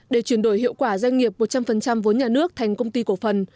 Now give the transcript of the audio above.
để chuyển đổi hiệu quả doanh nghiệp một trăm linh vốn nhà nước thành công ty cổ phần